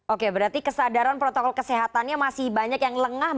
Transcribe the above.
oke berarti kesadaran protokol kesehatannya masih banyak yang lengah